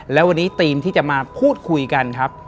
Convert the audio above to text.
แล้ววันนี้ทีมที่จะมาพูดคุยกันครับ